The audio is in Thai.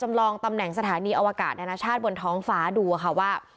จำลองตำแหน่งสถานีอวะการณชาติบนท้องฟ้าดูาค่ะว่า